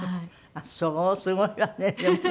そうすごいわねでもね。